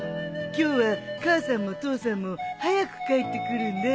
今日は母さんも父さんも早く帰ってくるんだ。